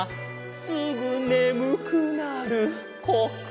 「すぐねむくなるこっくり」